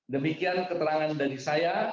demikian keterangan dari saya